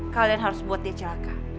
kalian harus buat dia celaka